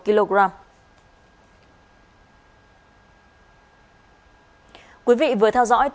chúc các bạn một ngày tốt đẹp và hãy like và chia sẻ video mới nhé